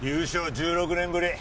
１６年ぶり